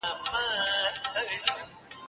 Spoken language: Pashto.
هغه موټر چې ودرېد ډېر قیمتي ښکارېده.